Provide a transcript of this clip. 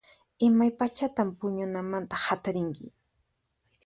Imaypachatan puñunamanta hatarinki?